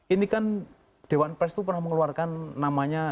ini kan dewan pers itu pernah mengeluarkan namanya